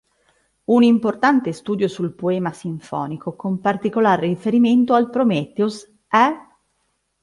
Un importante studio sul poema sinfonico, con particolare riferimento al "Prometheus", è